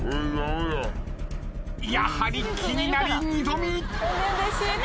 やはり気になり二度見。